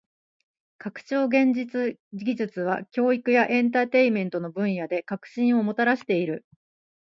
拡張現実技術は教育やエンターテインメントの分野で革新をもたらしている。